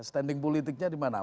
standing politiknya dimana